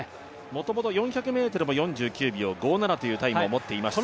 もともと４００ｍも４９秒５７というタイムを持っていますし。